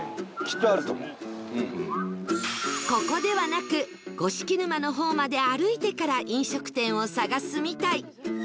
ここではなく五色沼の方まで歩いてから飲食店を探すみたい